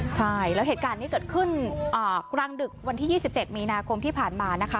ใช่แล้วเหตุการณ์นี้เกิดขึ้นกลางดึกวันที่๒๗มีนาคมที่ผ่านมานะคะ